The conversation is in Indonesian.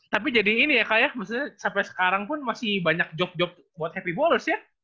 tapi jadi ini ya kak ya maksudnya sampai sekarang pun masih banyak job job buat happy bolders ya